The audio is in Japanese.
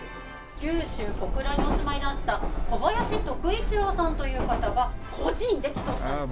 九州小倉にお住まいだった小林徳一郎さんという方が個人で寄贈したんですよ。